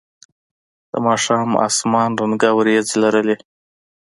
د ماښام اسمان رنګه ورېځې لرلې.